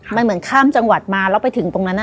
มันเหมือนข้ามจังหวัดมาแล้วไปถึงตรงนั้น